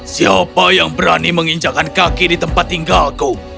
siapa yang berani menginjakan kaki di tempat tinggalku